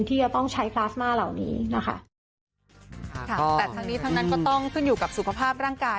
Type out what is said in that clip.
ที่จะต้องใช้คลาสมาเหล่านี้นะคะ